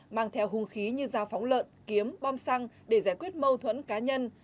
mang theo hung khí như dao phóng lợn kiếm bom xăng để giải quyết mâu thuẫn cá nhân